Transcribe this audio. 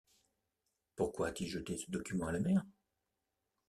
Pourquoi a-t-il jeté ce document à la mer?